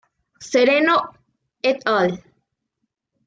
Sereno "et al.".